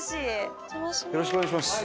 よろしくお願いします。